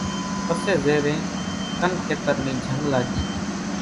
پسي زيرين ڪن کيتر ني جنگ لاڄي